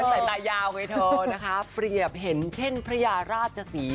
ใส่ตายาวไงเธอนะคะเปรียบเห็นเช่นพระยาราชศรี